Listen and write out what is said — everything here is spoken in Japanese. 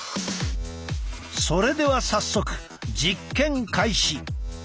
それでは早速実験開始。